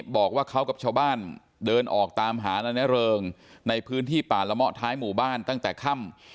บอกว่าเขากับชาวบ้านเดินออกตามหานายนเริงในพื้นที่ป่าละเมาะท้ายหมู่บ้านตั้งแต่ค่ำ